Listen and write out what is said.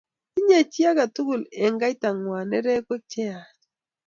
tinyei chi age tugul eng' kaitang'wang' nerekwek che yaach